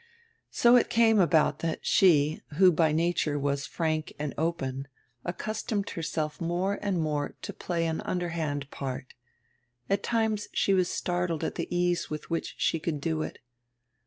So it came about that she, who by nature was frank and open, accustomed herself more and more to play an under hand part. At times she was startled at tire ease with which she could do it.